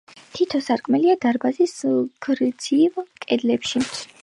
თითო სარკმელია დარბაზის გრძივ კედლებშიც.